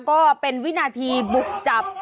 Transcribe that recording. ก็เป็นวินาทีบุกจับ